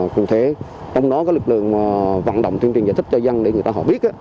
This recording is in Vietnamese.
cũng thế trong đó các lực lượng vận động tuyên truyền giải thích cho dân để người ta họ biết